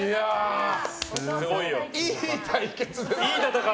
いい対決ですね。